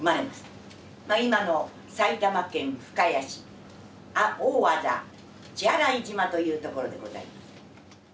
今の埼玉県深谷市大字血洗島というところでございます。